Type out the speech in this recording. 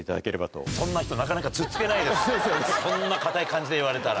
そんな硬い感じで言われたら。